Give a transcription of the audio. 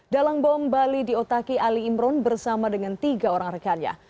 dalam bom bali di otaki ali imron bersama dengan tiga orang rekannya